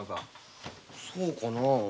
そうかなあ。